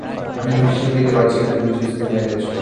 আমি তো বিশ্বাসই করতে পারছি না তুমি জিউস কে মেরেছ।